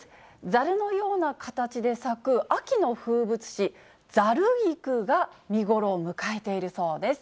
ざるのような形で咲く秋の風物詩、ざる菊が見頃を迎えているそうです。